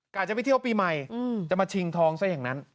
จะไปเที่ยวปีใหม่จะมาชิงทองซะอย่างนั้น